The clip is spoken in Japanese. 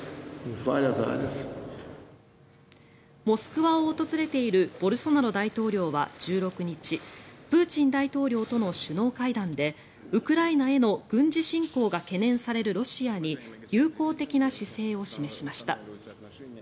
モスクワを訪れているボルソナロ大統領は１６日プーチン大統領との首脳会談でウクライナへの軍事侵攻が懸念されるロシアに友好的な姿勢を示しました。